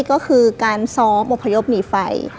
ก็คือการซ้อมอพยพหนีไฟ